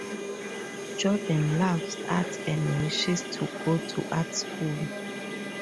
Jordan loves art and wishes to go to art school.